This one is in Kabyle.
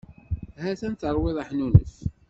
Ha-t-an terwiḍ aḥnunef.